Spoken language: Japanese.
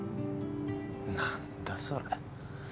何だそれ。